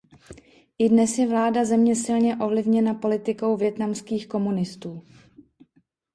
I dnes je vláda země silně ovlivněna politikou vietnamských komunistů.